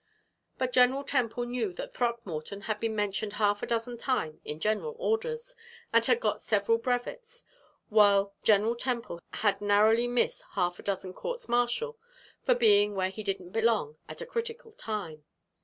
But General Temple knew that Throckmorton had been mentioned half a dozen times in general orders, and had got several brevets, while General Temple had narrowly missed half a dozen courts martial for being where he didn't belong at a critical time.